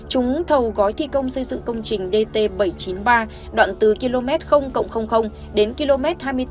chúng thầu gói thi công xây dựng công trình dt bảy trăm chín mươi ba đoạn từ km đến km hai mươi bốn